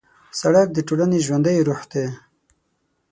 سړک د ټولنې ژوندی روح دی.